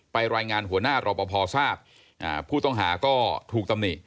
รายงานหัวหน้ารอปภทราบผู้ต้องหาก็ถูกตำหนิ